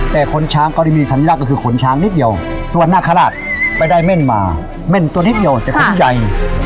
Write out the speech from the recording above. แต่ขนช้างก็ได้มีสัญลักษณ์ก็คือขนช้างนิดเดียวส่วนนาคาราชไปได้เม่นมาเม่นตัวนิดเดียวแต่ขนใหญ่